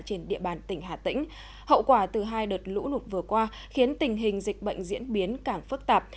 trên địa bàn tỉnh hà tĩnh hậu quả từ hai đợt lũ lụt vừa qua khiến tình hình dịch bệnh diễn biến càng phức tạp